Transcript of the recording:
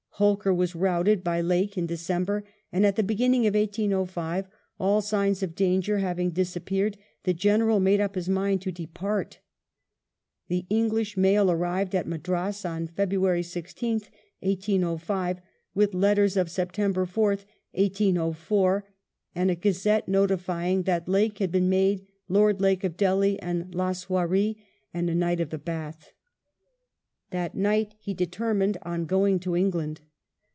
Holkar was routed by Lake in December, and at the beginning of 1805, all signs of danger having disappeared, the General made up his mind to depart The English mail arrived at Madras on February 16th, .1805, with letters of Sep tember 4th, 1804, and a Gazette, notifying that Lake had been made Lord Lake of Delhi and Laswarree, and a Knight of the Bath. That night he determined on in RETURNS TO ENGLAND 83 going to England.